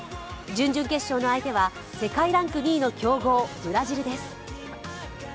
準々決勝の相手は世界ランク２位の強豪ブラジルです。